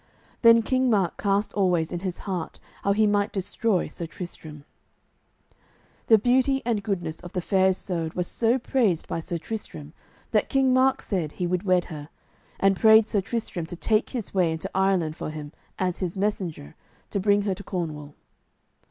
Then King Mark cast always in his heart how he might destroy Sir Tristram. The beauty and goodness of the Fair Isoud were so praised by Sir Tristram that King Mark said he would wed her, and prayed Sir Tristram to take his way into Ireland for him, as his messenger, to bring her to Cornwall.